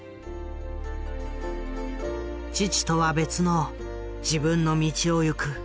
「父とは別の自分の道を行く」。